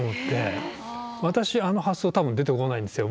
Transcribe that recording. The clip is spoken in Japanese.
私あの発想多分出てこないんですよ。